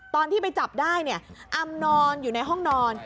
ตอนที่ไปจับได้เนี่ยอำนอนอยู่ในห้องนอน